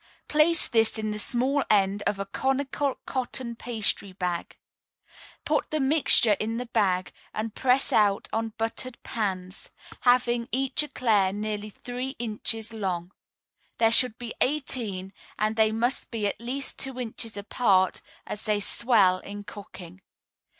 Place this in the small end of a conical cotton pastry bag. Put the mixture in the bag, and press out on buttered pans, having each éclair nearly three inches long. There should be eighteen, and they must be at least two inches apart, as they swell in cooking.